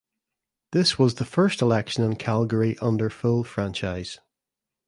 This was the first election in Calgary under full franchise.